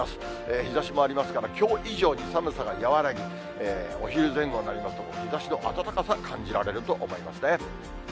日ざしもありますから、きょう以上に寒さが和らぎ、お昼前後になりますと、日ざしの暖かさ、感じられると思いますね。